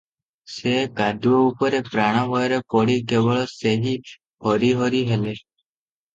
ସେ କାଦୁଅ ଉପରେ ପ୍ରାଣ ଭୟରେ ପଡ଼ି କେବଳ ସେହି ହରିହରି ହେଲେ ।